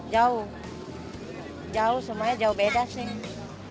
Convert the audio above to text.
jauh jauh semuanya jauh beda sih